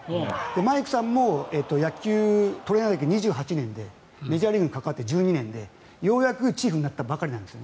マイクさんも野球トレーナー歴２８年でメジャーリーグに関わって１２年でようやくチーフになったばかりなんです。